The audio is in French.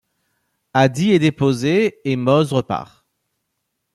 Addie est déposée et Moses repart.